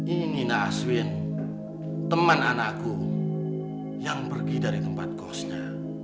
ini naaswin teman anakku yang pergi dari tempat kosnya